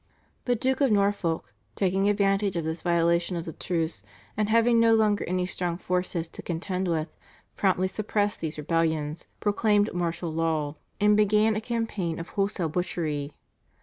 The Duke of Norfolk, taking advantage of this violation of the truce, and having no longer any strong forces to contend with, promptly suppressed these rebellions, proclaimed martial law, and began a campaign of wholesale butchery.